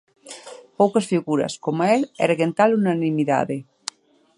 Poucas figuras, coma el, erguen tal unanimidade.